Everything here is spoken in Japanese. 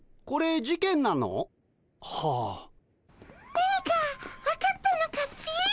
何か分かったのかっピ？